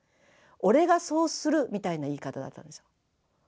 俺がそうするみたいな言い方だったんですよ。